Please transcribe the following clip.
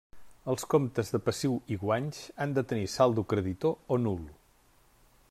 Els comptes de passiu i guanys han de tenir saldo creditor o nul.